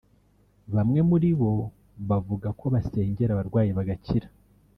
bamwe muri bo bavuga ko basengera abarwayi bagakira